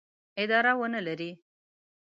اداره ونه لري.